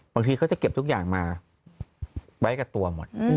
บางทีเขาจะเก็บทุกอย่างมาไว้กับตัวหมด